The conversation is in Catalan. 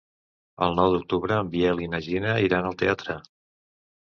El nou d'octubre en Biel i na Gina iran al teatre.